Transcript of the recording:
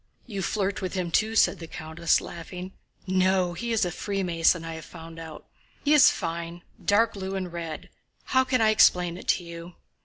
"You flirt with him too," said the countess, laughing. "No, he is a Freemason, I have found out. He is fine, dark blue and red.... How can I explain it to you?"